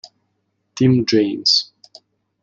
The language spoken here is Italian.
Tim James